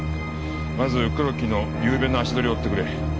まず黒木のゆうべの足取りを追ってくれ。